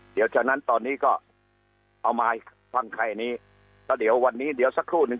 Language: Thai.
เดี๋ยวจากนั้นตอนนี้ก็เอามาให้ฟังใครนี้แล้วเดี๋ยววันนี้เดี๋ยวสักครู่หนึ่ง